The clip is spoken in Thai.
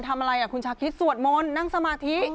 ทำอะไรอะคุณชะคริสต์สวดม้วนนั่งสมาธิ